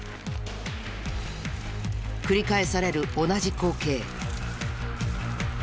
繰り返される同じ光景。